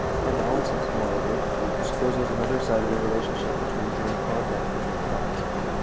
Analysis, moreover, discloses another side of the relationship between dream content and dream thoughts.